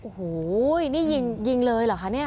โอ้โหนี่ยิงเลยเหรอคะเนี่ย